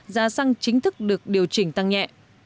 giá xăng chính thức được điều chỉnh tăng nhẹ